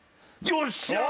よっしゃー！